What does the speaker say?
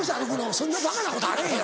そんなバカなことあれへん。